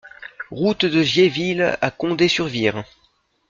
Route de Giéville à Condé-sur-Vire